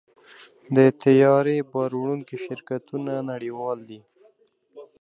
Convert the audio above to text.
د طیارې بار وړونکي شرکتونه نړیوال دي.